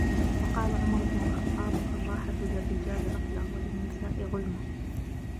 وَقَالَ عُمَرُ بْنُ الْخَطَّابِ الرَّاحَةُ لِلرِّجَالِ غَفْلَةٌ وَلِلنِّسَاءِ غُلْمَةٌ